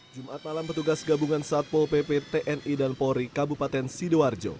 jumat malam petugas gabungan satpol pp tni dan polri kabupaten sidoarjo